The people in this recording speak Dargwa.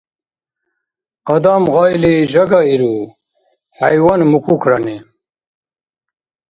Адам гъайли жагаиру, хӀяйван — мукукрани.